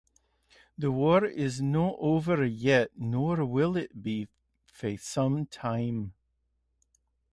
The war is not over yet, nor will it be for some time.